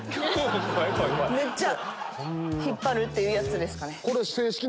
めっちゃ引っ張るっていうやつですかね。